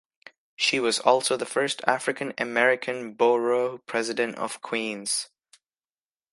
She was also the first African-American Borough President of Queens.